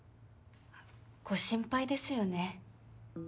ご心配ですよね。